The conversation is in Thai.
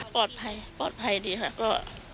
ปลอดภัยปลอดภัยดีค่ะก็